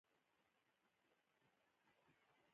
نورستان د افغانستان په هره برخه کې په اسانۍ موندل کېږي.